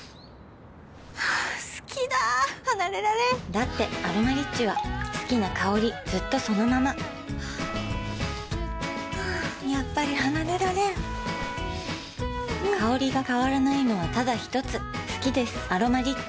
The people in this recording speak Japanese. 好きだ離れられんだって「アロマリッチ」は好きな香りずっとそのままやっぱり離れられん香りが変わらないのはただひとつ好きです「アロマリッチ」